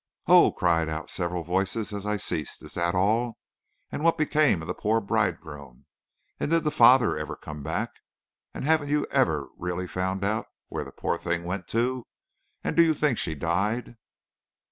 "Oh!" cried out several voices, as I ceased, "is that all? And what became of the poor bridegroom? And did the father ever come back? And haven't you ever really found out where the poor thing went to? And do you think she died?"